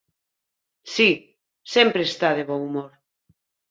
Si, sempre está de bo humor.